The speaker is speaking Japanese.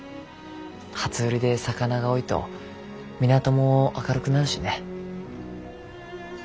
初売りで魚が多いと港も明るくなるしね。